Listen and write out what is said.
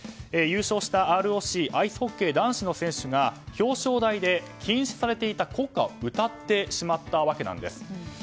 優勝したＲＯＣアイスホッケー男子の選手が表彰台で禁止されていた国歌を歌ってしまったわけなんです。